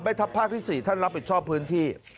ทัพภาคที่๔ท่านรับผิดชอบพื้นที่